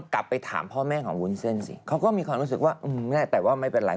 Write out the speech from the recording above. กลับไปถามพ่อแม่ของวุ้นเส้นสิเขาก็มีความรู้สึกว่าแม่แต่ว่าไม่เป็นไร